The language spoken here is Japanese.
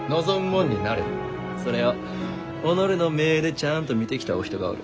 それを己の目でちゃあんと見てきたお人がおる。